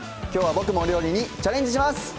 きょうは僕もお料理にチャレンジします！